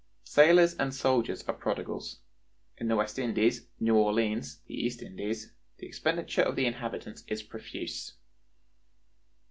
Sailors and soldiers are prodigals. In the West Indies, New Orleans, the East Indies, the expenditure of the inhabitants is profuse.